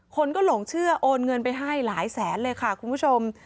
คนก็หลงเชื่อโอนเงินไปให้หลายแสนเลยค่ะคุณผู้ชม